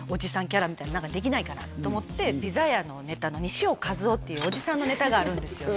キャラみたいなのが何かできないかなと思ってピザ屋のネタの西尾一男っていうおじさんのネタがあるんですよね